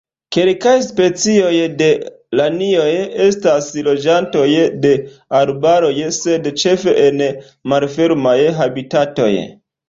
Kelkaj specioj de lanioj estas loĝantoj de arbaroj, sed ĉefe en malfermaj habitatoj.